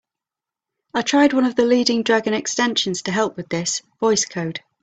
I tried one of the leading Dragon extensions to help with this, Voice Code.